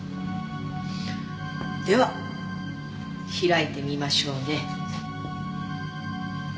では開いてみましょうね。